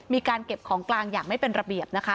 มีการเก็บของกลางอย่างไม่เป็นระเบียบนะคะ